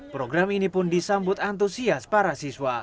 program ini pun disambut antusias para siswa